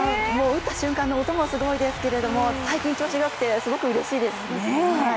打った瞬間の音もすごいですけど最近、調子がよくてすごくうれしいです。